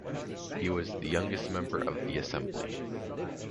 He was the youngest member of the assembly.